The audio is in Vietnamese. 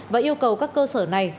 và yêu cầu các cơ sở này